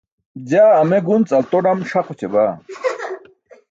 jaa ame gunc alto-ḍam ṣaq oćabaa